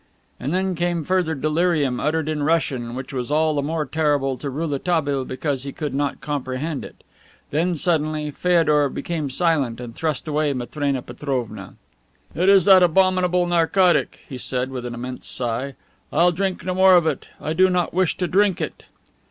And then came further delirium uttered in Russian, which was all the more terrible to Rouletabille because he could not comprehend it. Then, suddenly, Feodor became silent and thrust away Matrena Petrovna. "It is that abominable narcotic," he said with an immense sigh. "I'll drink no more of it. I do not wish to drink it."